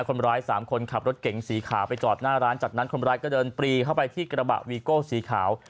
คนร้ายสามคนขับรถเก๋งสีขาวไปจอดหน้าร้านจากนั้นคนร้ายก็เดินปรีเข้าไปที่กระบะวีโก้สีขาว